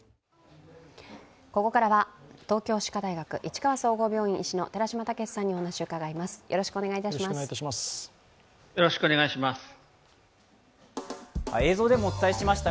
ここからは東京歯科大学市川総合病院医師の寺嶋毅さんにお話を伺います。